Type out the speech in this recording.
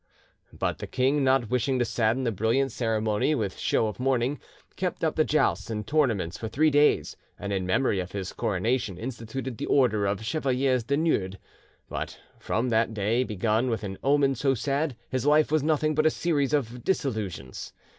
But the king not wishing to sadden the brilliant ceremony with show of mourning, kept up the jousts and tournaments for three days, and in memory of his coronation instituted the order of 'Chevaliers du Noeud'. But from that day begun with an omen so sad, his life was nothing but a series of disillusions.